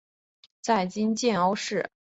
在今建瓯市。